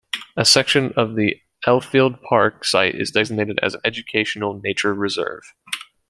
A section of the Elfield Park site is designated as an educational nature reserve.